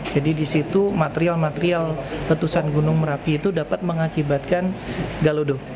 jadi di situ material material letusan gunung merapi itu dapat mengakibatkan galodo